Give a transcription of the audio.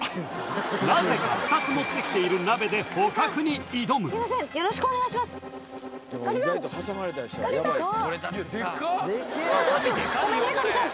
なぜか２つ持ってきている鍋で捕獲に挑むすいません